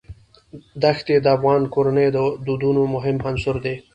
ښتې د افغان کورنیو د دودونو مهم عنصر دی.